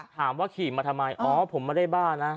ถามว่าขี่มาทำไมอ๋อผมไม่ได้บ้านะ